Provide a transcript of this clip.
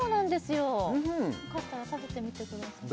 よかったら食べてみてください